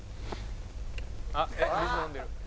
「あっ水飲んでる」